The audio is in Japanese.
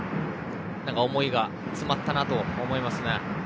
思いが詰まったなと思います。